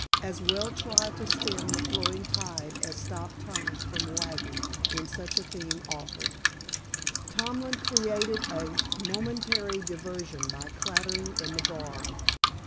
As well try to stem the flowing tide as stop tongues from wagging when such a theme offered. Tomlin created a momentary diversion by clattering in the bar.